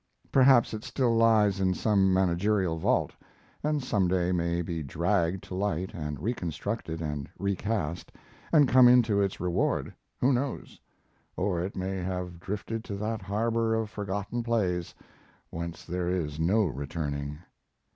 Perhaps it still lies in some managerial vault, and some day may be dragged to light and reconstructed and recast, and come into its reward. Who knows? Or it may have drifted to that harbor of forgotten plays, whence there is no returning.